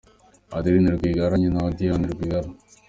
Adeline Rwigara nyina wa Diane Rwigara.